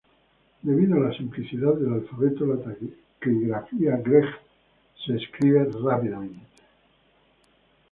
Debido a la simplicidad del alfabeto, la taquigrafía Gregg se escribe rápidamente.